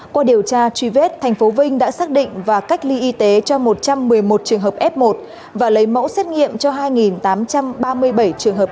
qua điều tra truy vết thành phố vinh đã xác định và cách ly y tế cho một trăm một mươi một trường hợp f một và lấy mẫu xét nghiệm cho hai tám trăm ba mươi bảy trường hợp